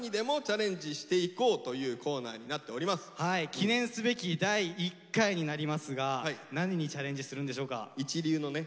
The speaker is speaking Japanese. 記念すべき第１回になりますが何にチャレンジするんでしょうか？